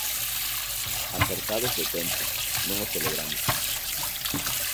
Apertados de tempo, non o celebramos.